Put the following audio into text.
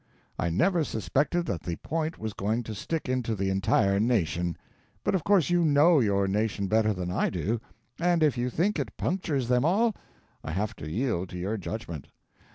I never suspected that the point was going to stick into the entire nation; but of course you know your nation better than I do, and if you think it punctures them all, I have to yield to your judgment.